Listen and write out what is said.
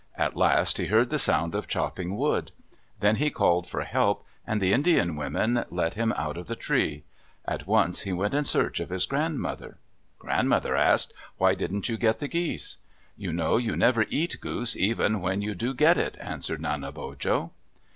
At last he heard the sound of chopping wood. Then he called for help, and the Indian women let him out of the tree. At once he went in search of his grandmother. Grandmother asked, "Why didn't you get the geese?" "You know you never eat goose, even when you do get it," answered Nanebojo.